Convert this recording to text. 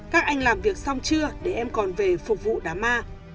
các anh làm việc xong chưa để em còn về phục vụ đám ma